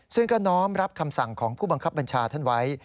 ซึ่งก็น้อมรับคำสั่งของผู้บังคับบัญชาท่านไว้